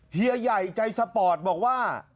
เฮียใหญ่ใจสปอร์ตบอกว่า